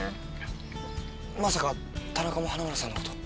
まさか田中も花村さんのこと？